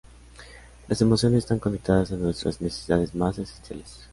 Las emociones están conectadas a nuestras necesidades más esenciales.